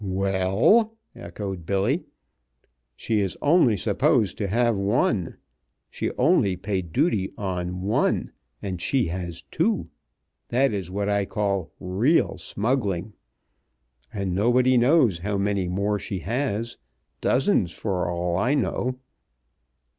"Well," echoed Billy, "she is only supposed to have one. She only paid duty on one, and she has two. That is what I call real smuggling. And nobody knows how many more she has. Dozens for all I know.